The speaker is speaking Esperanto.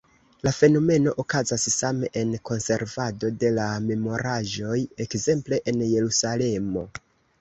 La fenomeno okazas same en konservado de la memoraĵoj, ekzemple en Jerusalemo.